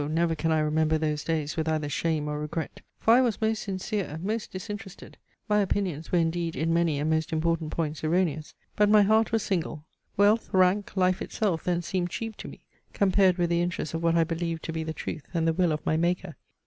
never can I remember those days with either shame or regret. For I was most sincere, most disinterested. My opinions were indeed in many and most important points erroneous; but my heart was single. Wealth, rank, life itself then seemed cheap to me, compared with the interests of what I believed to be the truth, and the will of my Maker.